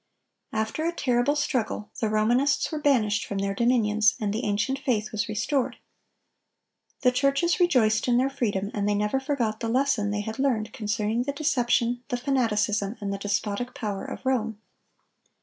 After a terrible struggle, the Romanists were banished from their dominions, and the ancient faith was restored. The churches rejoiced in their freedom, and they never forgot the lesson they had learned concerning the deception, the fanaticism, and the despotic power of Rome.